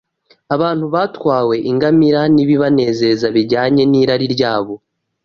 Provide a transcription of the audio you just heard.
abantu batwawe ingamira n’ibibanezeza bijyanye n’irari ryabo